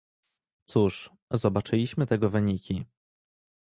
Cóż, zobaczyliśmy tego wyniki